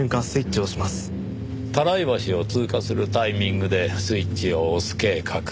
多良伊橋を通過するタイミングでスイッチを押す計画。